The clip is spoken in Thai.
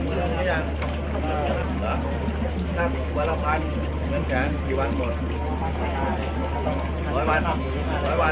เมืองอัศวินธรรมดาคือสถานที่สุดท้ายของเมืองอัศวินธรรมดา